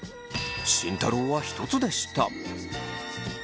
慎太郎は１つでした。